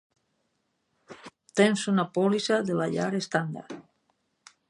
Tens una pòlissa de la llar estàndard.